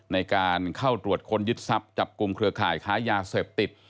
ในการเข้าตรวจค้นยึดทรัพย์จับกลุ่มเครือข่ายค้ายาเสพติด